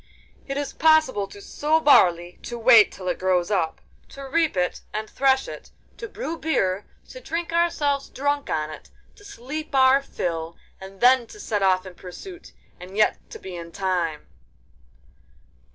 'It is possible to sow barley, to wait till it grows up, to reap it and thresh it, to brew beer, to drink ourselves drunk on it, to sleep our fill, and then to set off in pursuit—and yet to be in time.